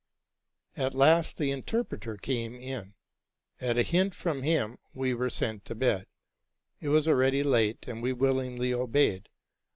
At last the interpreter came in. At a hint from him we were sent to bed: it was already late, and we willingly obeyed.